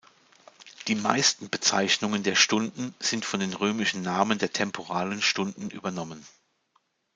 Die meisten Bezeichnungen der Stunden sind von den Römischen Namen der Temporalen Stunden übernommen.